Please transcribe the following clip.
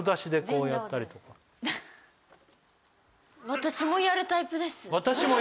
私もやるタイプ？